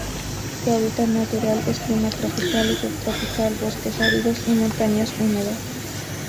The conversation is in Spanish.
Su hábitat natural es: Clima tropical o subtropical, bosques áridos, y montañas húmedas.